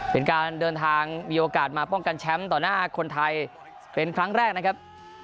เป็นการเดินทางมีโอกาสมาป้องกันแชมป์ต่อหน้าคนไทยเป็นครั้งแรกนะครับ